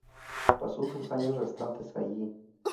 Pasó sus años restantes allí.